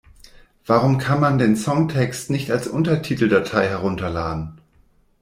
Warum kann man den Songtext nicht als Untertiteldatei herunterladen?